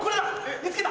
見つけた！